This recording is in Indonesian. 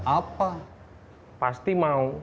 apa pasti mau